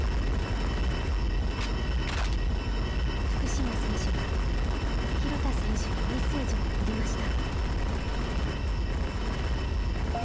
福島選手が廣田選手にメッセージを送りました。